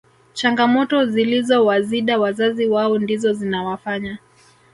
changamoto zilizowazida wazazi wao ndizo zinawafanya